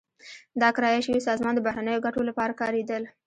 دا کرایه شوې سازمان د بهرنیو ګټو لپاره کارېدل.